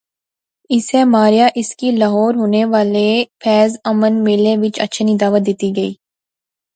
اسے ماریا اس کی لہور ہونے والے فیض امن میلے وچ اچھے نی دعوت دتی گئی